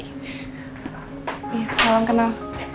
iya selalu kenal